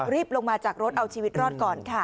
ลงมาจากรถเอาชีวิตรอดก่อนค่ะ